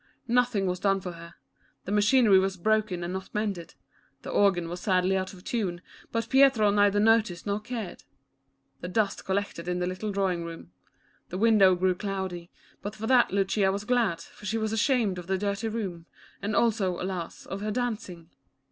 Nothing was done for her. The machinery was broken and not mended. The organ was sadly out of tune, but Pietro neither noticed nor cared. The dust collected in the little drawing room. The window grew cloudy, but for that Lucia was glad, for she was ashamed of the dirty room, and also, alas, of her dancing.